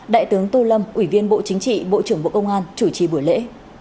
đại tướng tô lâm ủy viên bộ chính trị bộ trưởng bộ công an chủ trì buổi lễ